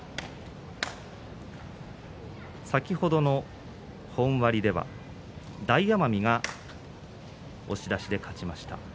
先ほどの本割では、大奄美が押し出しで勝っています。